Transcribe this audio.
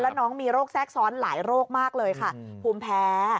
แล้วน้องมีโรคแทรกซ้อนหลายโรคมากเลยค่ะภูมิแพ้